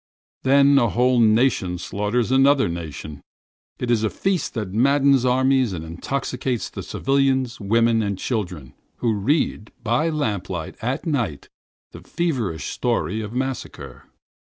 Then a whole nation slaughters another nation. It is a feast of blood, a feast that maddens armies and that intoxicates civilians, women and children, who read, by lamplight at night, the feverish story of massacre.